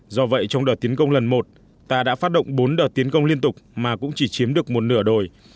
do vậy trong đợt tiến công lần một ta đã phát động bốn đợt tiến công liên tục mà cũng chỉ chiếm được một nửa đồi